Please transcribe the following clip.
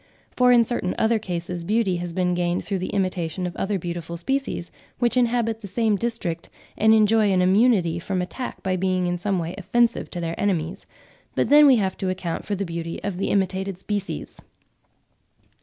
For in certain other cases, beauty has been gained through the imitation of other beautiful species, which inhabit the same district and enjoy an immunity from attack by being in some way offensive to their enemies; but then we have to account for the beauty of the imitated species.